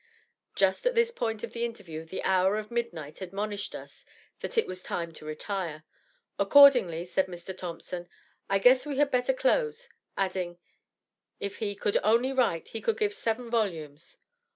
Just at this point of the interview, the hour of midnight admonished us that it was time to retire. Accordingly, said Mr. Thompson, "I guess we had better close," adding, if he "could only write, he could give seven volumes!"